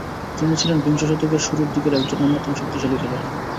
তিনি ছিলেন বিংশ শতকের শুরুর দিকের একজন অন্যতম শক্তিশালী খেলোয়াড়।